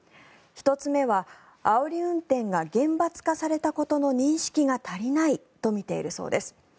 １つ目はあおり運転が厳罰化されたことの認識が足りないと見ているそうです。